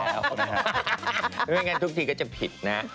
ไม่งั้นทุกทีก็จะผิดนะ